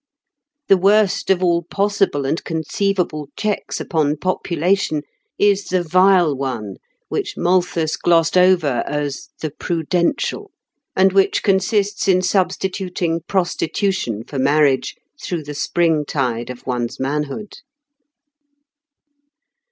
The worst of all possible and conceivable checks upon population is the vile one which Malthus glossed over as "the prudential," and which consists in substituting prostitution for marriage through the spring tide of one's manhood.